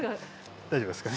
大丈夫ですか？